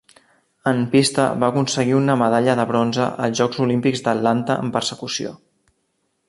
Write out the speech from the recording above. En pista va aconseguir una medalla de bronze als Jocs Olímpics d'Atlanta en persecució.